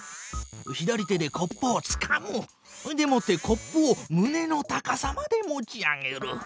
左手でコップをつかむ！でもってコップをむねの高さまで持ち上げる！